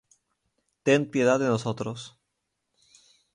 ten piedad de nosotros;